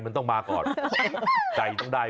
ก็คือเธอนี่มีความเชี่ยวชาญชำนาญ